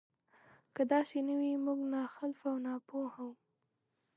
که داسې نه وي موږ ناخلفه او ناپوهه وو.